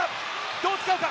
どう使うか？